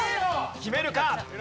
決めるか？